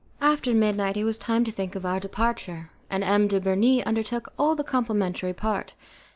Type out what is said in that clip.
After midnight it was time to think of our departure, and M. de Bernis undertook all the complimentary part.